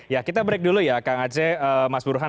ya kita break dulu ya kang aceh mas burhan